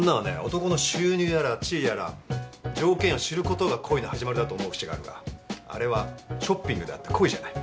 男の収入やら地位やら条件を知ることが恋の始まりだと思う節があるがあれはショッピングであって恋じゃない。